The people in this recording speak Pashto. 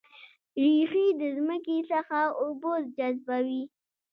ریښې د ځمکې څخه اوبه جذبوي